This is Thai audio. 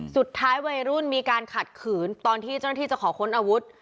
สุดท้ายวัยรุ่นมีการขัดขืนตอนที่เจ้าหน้าที่จะขอค้นอาวุธ